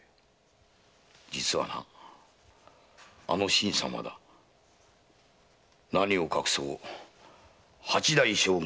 実はなあの新さんはな何を隠そう八代将軍